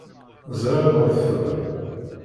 Ẓriɣ anwa-t tura.